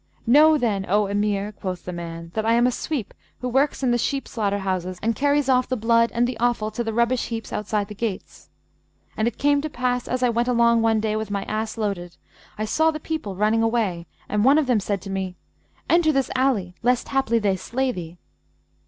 'Know then, O Emir,' quoth the man, 'that I am a sweep who works in the sheep slaughterhouses and carries off the blood and the offal to the rubbish heaps outside the gates. And it came to pass as I went along one day with my ass loaded, I saw the people running away and one of them said to me, 'Enter this alley, lest haply they slay thee.'